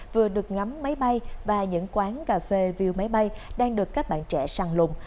vừa được ngắm máy bay và những quán cà phê view máy bay đang được các bạn trẻ săn lùng